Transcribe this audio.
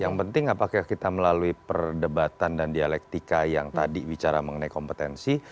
yang penting apakah kita melalui perdebatan dan dialektika yang tadi bicara mengenai kompetensi